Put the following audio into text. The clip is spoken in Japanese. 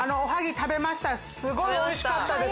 すごいおいしかったです。